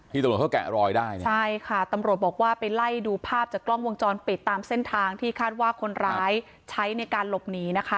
ตำรวจเขาแกะรอยได้เนี่ยใช่ค่ะตำรวจบอกว่าไปไล่ดูภาพจากกล้องวงจรปิดตามเส้นทางที่คาดว่าคนร้ายใช้ในการหลบหนีนะคะ